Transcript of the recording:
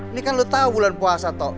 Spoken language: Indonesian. ini kan lu tahu bulan puasa tok